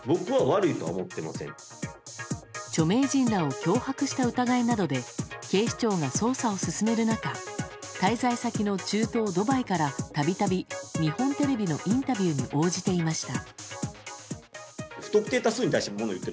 著名人らを脅迫した疑いなどで警視庁が捜査を進める中滞在先の中東ドバイから、度々日本テレビのインタビューに応じていました。